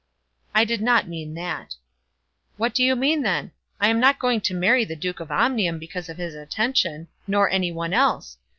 "I did not mean that." "What do you mean, then? I am not going to marry the Duke of Omnium because of his attention, nor any one else.